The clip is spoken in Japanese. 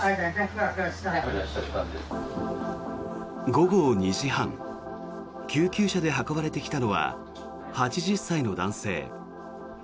午後２時半救急車で運ばれてきたのは８０歳の男性。